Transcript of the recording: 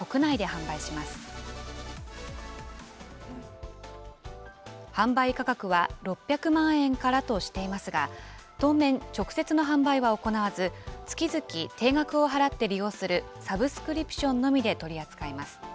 販売価格は６００万円からとしていますが、当面、直接の販売は行わず、月々、定額を払って利用するサブスクリプションのみで取り扱います。